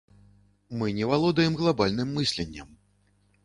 Мы не валодаем глабальным мысленнем.